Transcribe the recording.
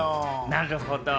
なるほど。